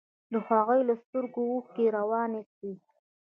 د هغوى له سترگو اوښکې روانې سوې.